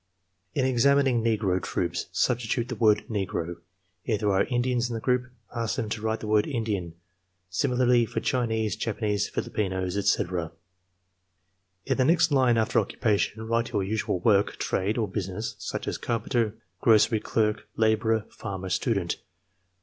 '" (In exam ining negro troops substitute the word "Negro." If there are Indians in the group, ask them to write the word "Indian." Similarly for Chinese, Japanese, Filipinos, etc.) "In the next line after 'Occupation,' write your usual work, trade or business (such as carpenter, grocery clerk, laborer, farmer, student)."